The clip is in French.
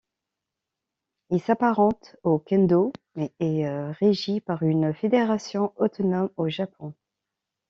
Il s'apparente au kendō, mais est régi par une fédération autonome au Japon.